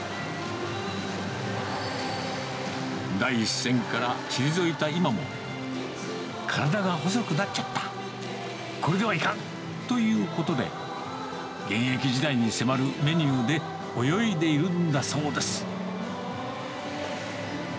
第一線から退いた今も、体が細くなっちゃった、これではいかんということで、現役時代に迫るメニューで泳いでいるんだそうです。